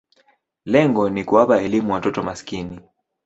Lengo ni kuwapa elimu watoto maskini.